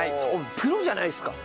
プロじゃないですか。